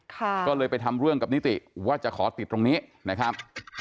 ก็เลยไปทำเรื่องกับนิติว่าจะขอติดตรงนี้นะครับ